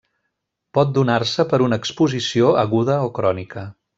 Pot donar-se per una exposició aguda o crònica.